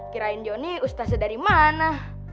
kirain johnny ustaznya dari mana